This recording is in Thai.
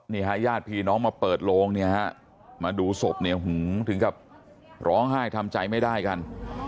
นี่ฮะญาติพี่น้องมาเปิดโลงมาดูศพถึงกับร้องไห้ทำใจไม่ได้กัน